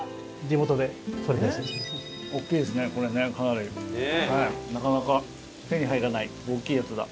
なかなか手に入らない大きいやつだ。